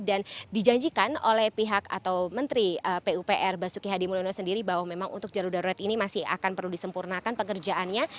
dan dijanjikan oleh pihak atau menteri pupr basuki hadi mulyono sendiri bahwa memang untuk jalur darurat ini masih akan perlu disempurnakan pekerjaannya